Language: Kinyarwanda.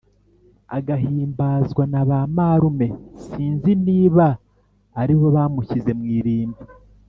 Agahimbazwa na ba marume sinzi niba ari bo bamushyize mw'irimbi